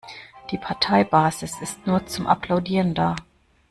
Die Parteibasis ist nur zum Applaudieren da.